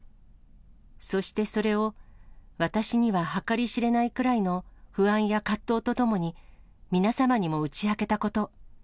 そしてそれを、私には計り知れないくらいの不安や葛藤とともに皆様にも打ち明けたこと。